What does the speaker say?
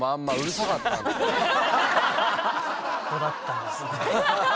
ここだったんですね。